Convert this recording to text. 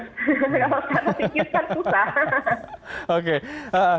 kalau secara sikis kan susah